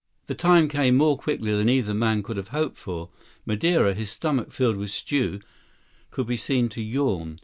The time came more quickly than either man could have hoped for. Madeira, his stomach filled with stew, could be seen to yawn.